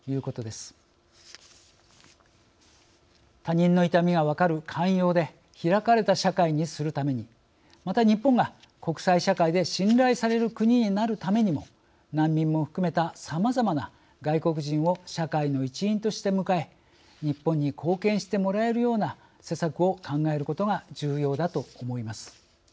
他人の痛みが分かる寛容で開かれた社会にするためにまた日本が国際社会で信頼される国になるためにも難民も含めたさまざまな外国人を社会の一員として迎え日本に貢献してもらえるような施策を考えることが重要だと思います。